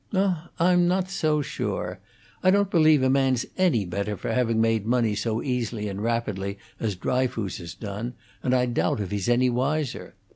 "Ah, I'm not so sure. I don't believe a man's any better for having made money so easily and rapidly as Dryfoos has done, and I doubt if he's any wiser.